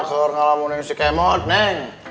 kalo ngelamunin si kemot neng